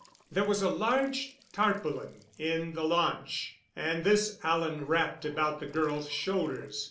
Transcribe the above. There was a large tarpaulin in the launch, and this Alan wrapped about the girl's shoulders.